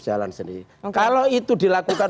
jalan sendiri kalau itu dilakukan